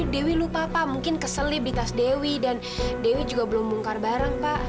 dewi lupa pak mungkin keselib di tas dewi dan dewi juga belum bongkar bareng pak